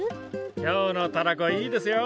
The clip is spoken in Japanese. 今日のたらこいいですよ！